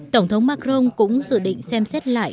tổng thống macron cũng dự định xem xét lại